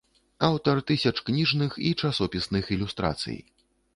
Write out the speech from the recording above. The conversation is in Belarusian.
Аўтар тысяч кніжных і часопісных ілюстрацый.